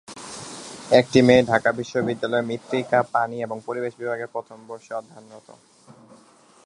একটি মেয়ে ঢাকা বিশ্ববিদ্যালয়ের মৃত্তিকা, পানি ও পরিবেশ বিভাগে প্রথম বর্ষে অধ্যয়নরত।